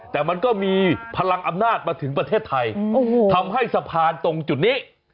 แต่มันก็มีพลังอำนาจมาถึงประเทศไทยทำให้สะพานตรงจุดนี้